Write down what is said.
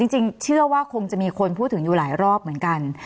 จริงเชื่อว่าคงจะมีคนพูดถึงอยู่หลายรอบเหมือนกัน